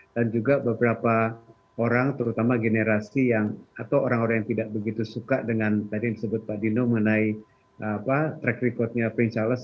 dan juga beberapa orang terutama generasi yang atau orang orang yang tidak begitu suka dengan tadi yang disebut pak dino mengenai track recordnya prince charles